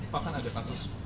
pak kan ada kasus